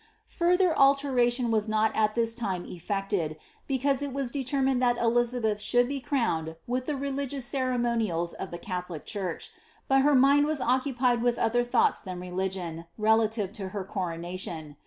Further alteration was not at this time effected, because it was de termined that Elizabeth should be crowned ^ iih the religious ceremo nials of the Catholic church ; but her mind was occupied with other thoughts than religion, relative to her coronation.